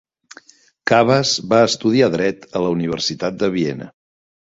Kabas va estudiar dret a la Universitat de Viena.